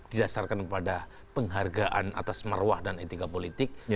didasarkan kepada penghargaan atas marwah dan etika politik